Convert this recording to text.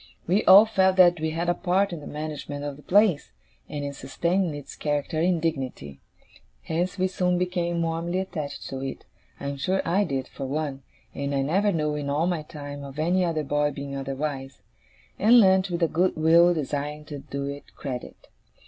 We all felt that we had a part in the management of the place, and in sustaining its character and dignity. Hence, we soon became warmly attached to it I am sure I did for one, and I never knew, in all my time, of any other boy being otherwise and learnt with a good will, desiring to do it credit.